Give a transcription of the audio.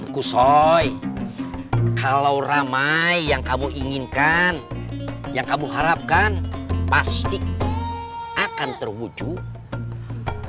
kusoi kalau ramai yang kamu inginkan yang kamu harapkan pasti akan terwujud